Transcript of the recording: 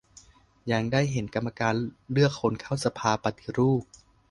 ยังได้เป็นกรรมการเลือกคนเข้าสภาปฏิรูป